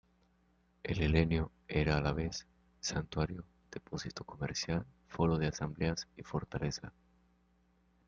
El Helenio era a la vez santuario, depósito comercial, foro de asambleas y fortaleza.